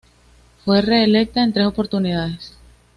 Fue reelecta en tres oportunidades.